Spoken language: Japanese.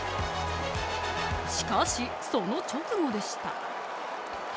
しかし、その直後でした。